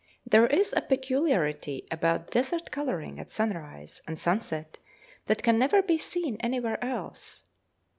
There is a peculiarity about desert colouring at sunrise and sunset that can never be seen anywhere else.